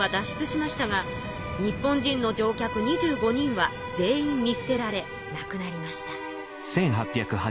しゅつしましたが日本人の乗客２５人は全員見すてられなくなりました。